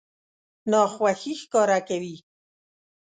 ناخوښي ښکاره کوي.